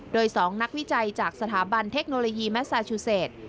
โดย๒นักวิจัยจากสถาบันเทคโนโลยีแมสซาชูเศษ